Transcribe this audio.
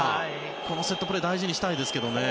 このセットプレー大事にしたいですけどね。